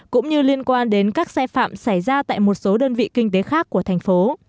cũng như liên quan đến các sai phạm xảy ra tại một số đơn vị kinh tế khác của thành phố